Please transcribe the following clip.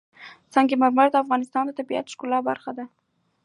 سنگ مرمر د افغانستان د طبیعت د ښکلا برخه ده.